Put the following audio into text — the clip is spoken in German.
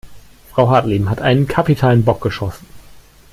Frau Hartleben hat einen kapitalen Bock geschossen.